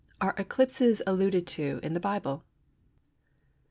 ARE ECLIPSES ALLUDED TO IN THE BIBLE?